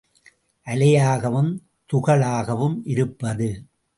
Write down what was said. அலையாகவும் துகளாகவும் இருப்பது.